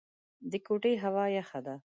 د کوټې هوا يخه ده.